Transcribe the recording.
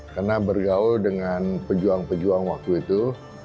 karena bergaul dengan pejuang pejuang waktu itu